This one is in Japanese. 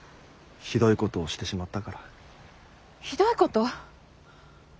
ひどいこと？